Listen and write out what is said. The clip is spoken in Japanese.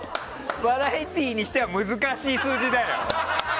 バラエティーにしては難しい数字だよ！